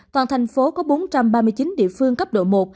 toàn thành phố có bốn trăm ba mươi chín địa phương cấp độ một